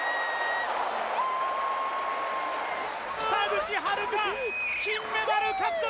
北口榛花、金メダル獲得！